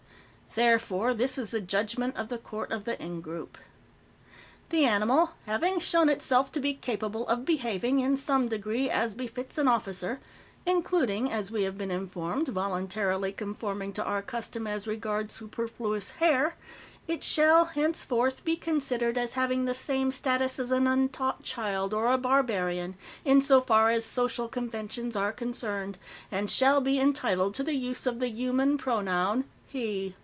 "Therefore, this is the judgment of the Court of the Ingroup: "The animal, having shown itself to be capable of behaving, in some degree, as befits an officer including, as we have been informed, voluntarily conforming to our custom as regards superfluous hair it shall henceforth be considered as having the same status as an untaught child or a barbarian, insofar as social conventions are concerned, and shall be entitled to the use of the human pronoun, he.